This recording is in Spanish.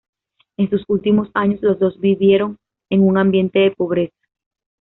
En sus últimos años los dos vivieron en un ambiente de pobreza.